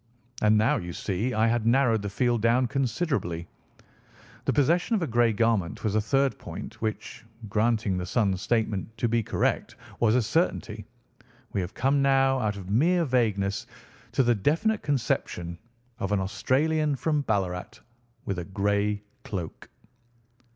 And now, you see, I had narrowed the field down considerably. The possession of a grey garment was a third point which, granting the son's statement to be correct, was a certainty. We have come now out of mere vagueness to the definite conception of an Australian from Ballarat with a grey cloak."